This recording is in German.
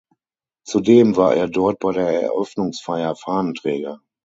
Zudem war er dort bei der Eröffnungsfeier Fahnenträger.